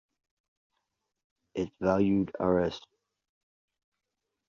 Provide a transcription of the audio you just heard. Its valued Rs.